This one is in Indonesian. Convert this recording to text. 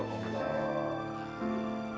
oh ya allah